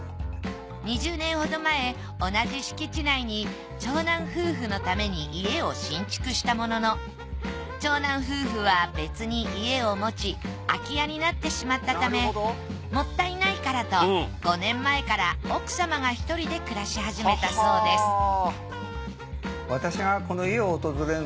２０年ほど前同じ敷地内に長男夫婦のために家を新築したものの長男夫婦は別に家を持ち空き家になってしまったためもったいないからと５年前から奥様が１人で暮らし始めたそうです新鮮でも。